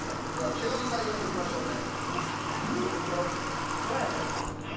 ケガのないようにいきましょうね。